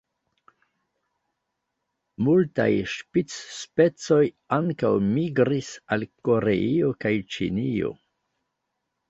Multaj ŝpic-specoj ankaŭ migris al Koreio kaj Ĉinio.